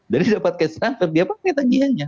jadi dapat transfer uang dia pakai tagihannya